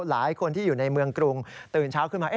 หลายคนที่อยู่ในเมืองกรุงตื่นเช้าขึ้นมา